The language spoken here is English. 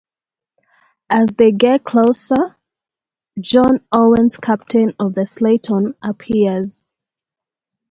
As they get closer, John Owens, captain of the "Slayton" appears.